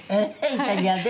イタリアで？」